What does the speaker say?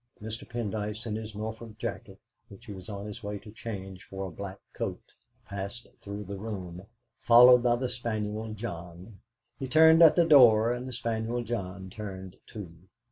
Mr. Pendyce, in his Norfolk jacket, which he was on his way to change for a black coat, passed through the room, followed by the spaniel John. He turned at the door, and the spaniel John turned too.